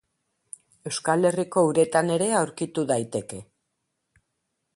Euskal Herriko uretan ere aurkitu daiteke